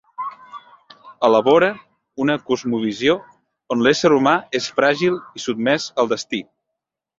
Elabore una cosmovisió on l'ésser humà és fràgil i sotmès al destí.